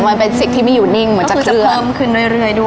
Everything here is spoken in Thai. มันเป็นสิ่งที่ไม่อยู่นิ่งเหมือนจะเพิ่มขึ้นเรื่อยด้วย